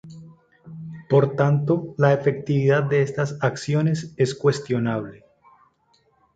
Por tanto, la efectividad de estas acciones es cuestionable.